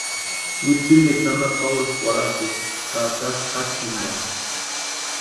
Witsintikwa nana Paula kwarhatsesti ka atasti jakʼi jempani.